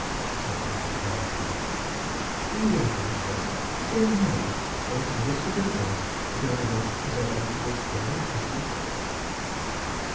"Well, then, prepare yourselves." "We will, your reverence—stay one moment whilst I whisper to the boys that your reverence is about to bestow your blessing upon us."